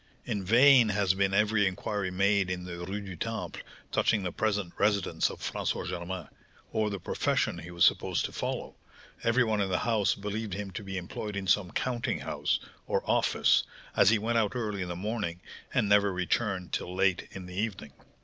In vain has been every inquiry made in the Rue du Temple touching the present residence of François Germain, or the profession he was supposed to follow; every one in the house believed him to be employed in some counting house, or office, as he went out early in the morning and never returned till late in the evening.